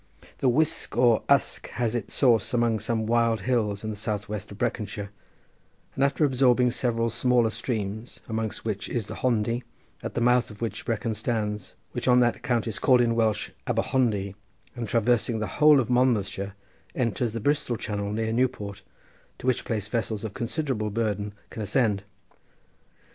The Wysg or Usk has its source among some wild hills in the south west of Breconshire, and, after absorbing several smaller streams, amongst which is the Hondu, at the mouth of which Brecon stands, which on that account is called in Welsh Aber Hondu, and traversing the whole of Monmouthshire, enters the Bristol Channel near Newport, to which place vessels of considerable burden can ascend.